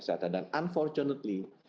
kesehatan dan unfortunately